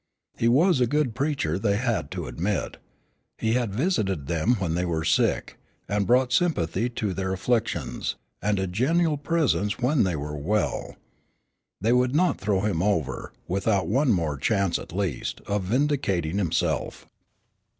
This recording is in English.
He was a good preacher they had to admit. He had visited them when they were sick, and brought sympathy to their afflictions, and a genial presence when they were well. They would not throw him over, without one more chance, at least, of vindicating himself.